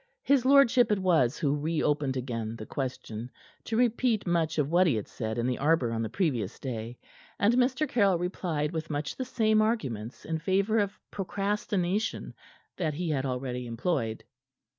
His lordship it was who reopened again the question, to repeat much of what he had said in the arbor on the previous day, and Mr. Caryll replied with much the same arguments in favor of procrastination that he had already employed.